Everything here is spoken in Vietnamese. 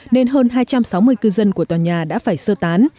nên hơn hai trăm sáu mươi cư dân của tòa nhà đã phải sơ tán